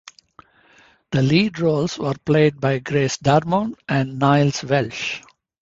The lead roles were played by Grace Darmond and Niles Welch.